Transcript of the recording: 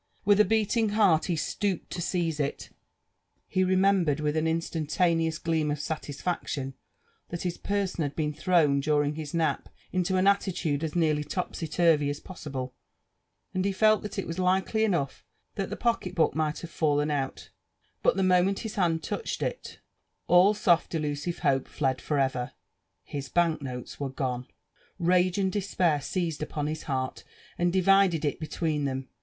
With a beating heart he stooped to seize it. He remembered with an instantaneous gleam of satisfaction that his person had been thrown during his nap into an attitude as nearly topsy turvy as possible, arid he felt that it was likely eneugh that the pocket hook might have fallen out; but the moment his hand touched it, all soft delusive hope fled ftf ever * *his hank ootee were gone l > iUge and despiair seized upon his heart, and divided it between tiM».